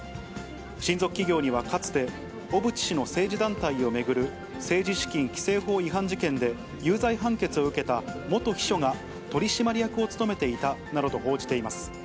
親族企業には、かつて小渕氏の政治団体を巡る政治資金規正法違反事件で、有罪判決を受けた元秘書が取締役を務めていたなどと報じています。